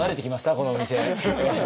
このお店。